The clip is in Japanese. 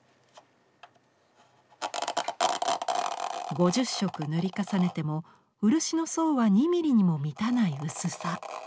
５０色塗り重ねても漆の層は２ミリにも満たない薄さ。